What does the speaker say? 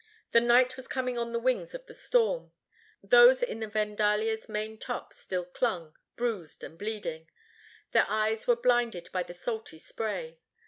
The night was coming on the wings of the storm. Those in the Vandalia's main top still clung, bruised and bleeding. Their eyes were blinded by the salty spray.